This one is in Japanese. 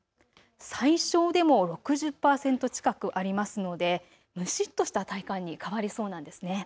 最小でも６０％近くありますので蒸しっとした体感に変わりそうなんですね。